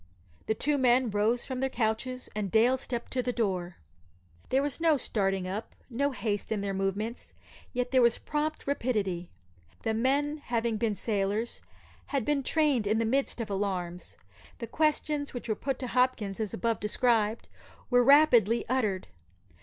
The two men rose from their couches, and Dale stepped to the door. There was no starting up, no haste in their movements, yet there was prompt rapidity. The men, having been sailors, had been trained in the midst of alarms. The questions which were put to Hopkins, as above described, were rapidly uttered.